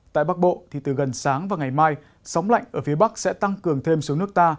tại bắc bộ thì từ gần sáng và ngày mai sóng lạnh ở phía bắc sẽ tăng cường thêm xuống nước ta